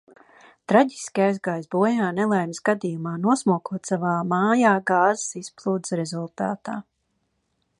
Traģiski aizgājis bojā nelaimes gadījumā, nosmokot savā mājā gāzes izplūdes rezultātā.